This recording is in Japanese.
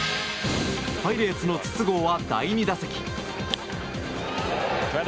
パイレーツの筒香は第２打席。